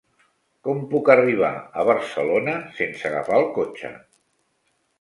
Com puc arribar a Barcelona sense agafar el cotxe?